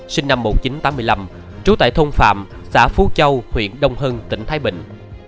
sinh năm một nghìn chín trăm tám mươi năm trú tại thôn phạm xã phú châu huyện đông hưng tỉnh thái bình